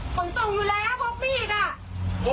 ส่วนตรงอยู่แล้วพกมีดอ่ะ